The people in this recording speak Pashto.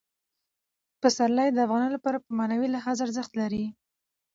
پسرلی د افغانانو لپاره په معنوي لحاظ ارزښت لري.